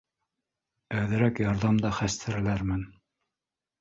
Әҙерәк ярҙам да хәстәрләрмен